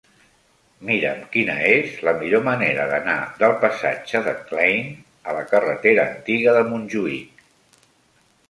Mira'm quina és la millor manera d'anar del passatge de Klein a la carretera Antiga de Montjuïc.